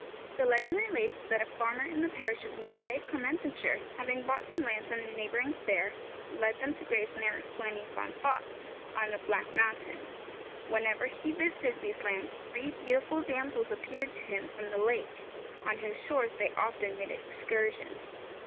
The legend relates that a farmer in the parish of Myddfai, Carmarthenshire, having bought some lambs in a neighbouring fair, led them to graze near Llyn y Fan Fach, on the Black Mountains. Whenever he visited these lambs three beautiful damsels appeared to him from the lake, on whose shores they often made excursions.